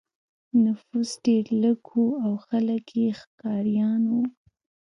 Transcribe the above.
نفوس ډېر لږ و او خلک یې ښکاریان وو.